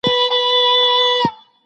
د ادم پيروان بايد تل پر حقه قضاوت وکړي.